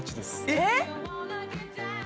えっ！